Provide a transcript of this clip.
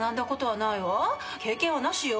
経験はなしよ。